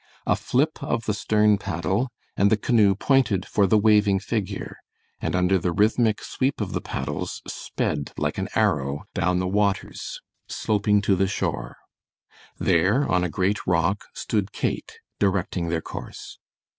A flip of the stern paddle, and the canoe pointed for the waving figure, and under the rhythmic sweep of the paddles, sped like an arrow down the waters, sloping to the shore. There, on a great rock, stood Kate, directing their course.